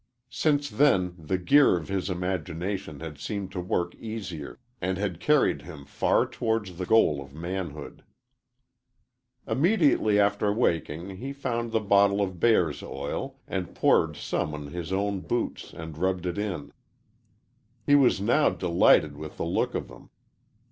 Since then the gear of his imagination had seemed to work easier, and had carried him far towards the goal of manhood. Immediately after waking he found the bottle of bear's oil and poured some on his own boots and rubbed it in. He was now delighted with the look of them.